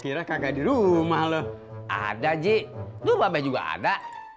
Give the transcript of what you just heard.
jirah kagak di rumah loh ada ji juga ada